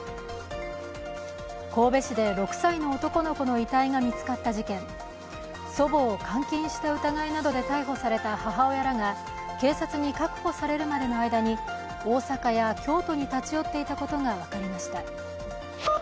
神戸市で６歳の男の子の遺体が見つかった事件、祖母を監禁した疑いなどで逮捕された母親らが、警察に確保されるまでの間に大阪や京都に立ち寄っていたことが分かりました。